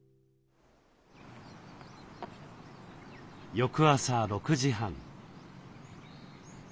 翌朝６時半。